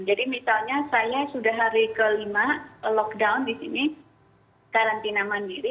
jadi misalnya saya sudah hari kelima lockdown di sini karantina mandiri